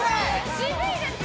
渋いですね